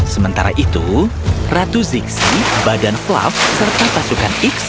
sementara itu ratu zigsi badan fluff serta pasukan x